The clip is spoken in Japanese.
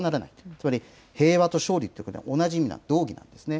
つまり平和と勝利ということは同じ意味、同義なんですね。